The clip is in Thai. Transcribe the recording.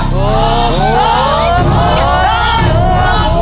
ครับ